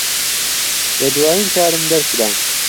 لە دوایین کارم دەرکرام.